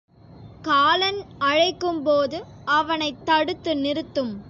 காலன் அழைக்கும்போது அவனைத் தடுத்து நிறுத்தும்.